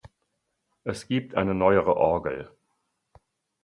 Es gibt eine neuere Orgel.